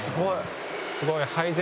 すごい。